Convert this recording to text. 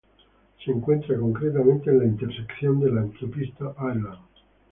Se encuentra concretamente en la intersección de la autopista Airline.